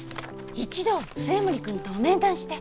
一度末森君と面談して。